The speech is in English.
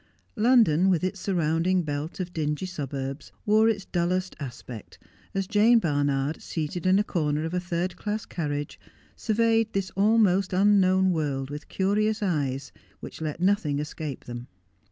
London, with its surrounding belt of dingy suburbs, wore its dullest aspect as Jane Barnard, seated in a corner of a third class carriage, sur veyed this almost unknown world with curious eyes which let nothing escape t lem.